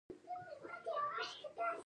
د ګردو ډبرې د کلسیم له امله جوړېږي.